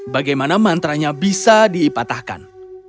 bagaimana mantra nya bisa dipatahkan